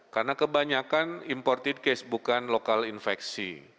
karena kebanyakan imported case bukan lokal infeksi